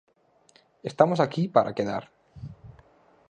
Estamos aquí para quedar.